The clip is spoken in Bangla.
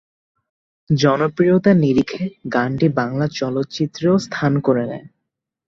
জনপ্রিয়তার নিরিখে গানটি বাংলা চলচ্চিত্রেও স্থান করে নেয়।